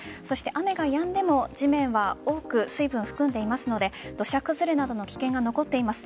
雨がやんでも地面は多く水分を含んでいますので土砂崩れなどの危険が残っています。